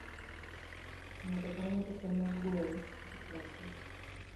Ng'ato kang'ato temo gore gi pache.